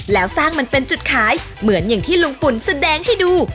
แล้วสร้างมันเป็นจุดขายเหมือนอย่างที่ลุงปุ่นแสดงให้ดู